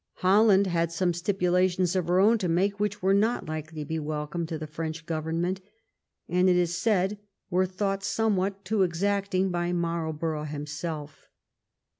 Holland had some stipulations of her own to make, which were not likely to be welcome to the French government, and it is said were thought somewhat too exacting by Marlborough himself.